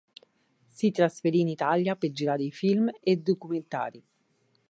Si trasferì in Italia per girare film e documentari.